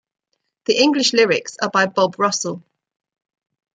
The English lyrics are by Bob Russell.